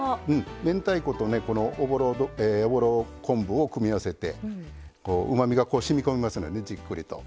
明太子とおぼろ昆布を組み合わせて、うまみがしみこみますので、じっくりと。